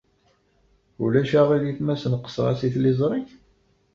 Ulac aɣilif ma sneqseɣ-as i tliẓri?